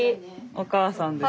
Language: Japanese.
おかあさんです。